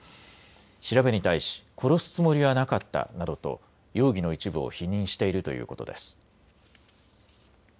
調べに対し殺すつもりはなかったなどと容疑の一部を否認しているということです。